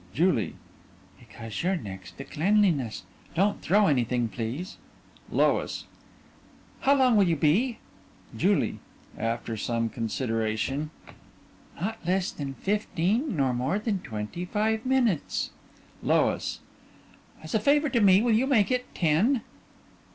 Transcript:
JULIE: Because you're next to Cleanliness. Don't throw anything please! LOIS: How long will you be? JULIE: (After some consideration) Not less than fifteen nor more than twenty five minutes. LOIS: As a favor to me will you make it ten?